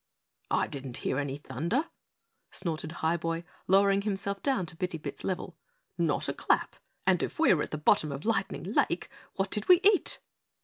"I didn't hear any thunder," snorted Highboy, lowering himself down to Bitty Bit's level. "Not a clap! And if we were at the bottom of Lightning Lake, what did we eat?"